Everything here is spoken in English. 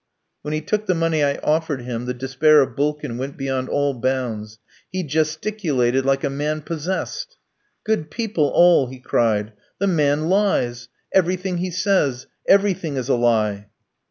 When he took the money I offered him, the despair of Bulkin went beyond all bounds. He gesticulated like a man possessed. "Good people all," he cried, "the man lies. Everything he says everything is a lie."